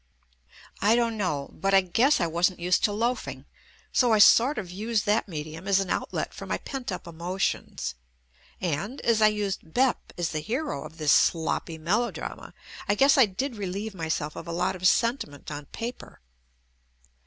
I don't know, but JUST ME I guess I wasn't used to loafing, so I sort of used that medium as an outlet for my pent up emotions, and, as I used "Bep" as the hero of this sloppy melodrama, I guess I did relieve myself of a lot of sentiment on paper.